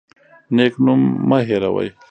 نیک نوم مه هیروئ.